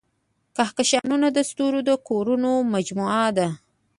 کهکشانونه د ستورو د کورونو مجموعه ده.